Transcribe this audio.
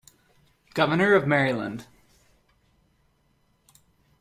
Governor of Maryland.